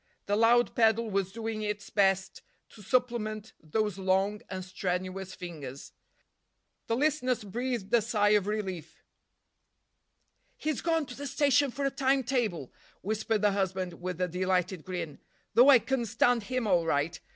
The loud pedal was doing its best to supplement those long and strenuous fingers. The listeners breathed a sigh of relief. "He's gone to the station for a time table," whispered the husband with a delighted grin: "though I can stand him all right.